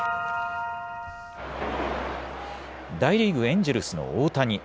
大リーグ・エンジェルスの大谷。